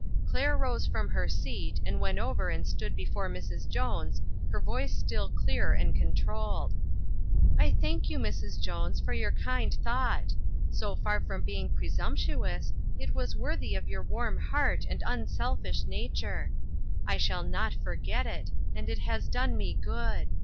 Claire rose from her seat, and went over and stood before Mrs. Jones, her voice still clear and controlled : "I thank you, Mrs. Jones, for your kind thought. So far from being presumptuous, it was worthy of your warm heart and un selfish nature. I shall not forget it, and it has done me good.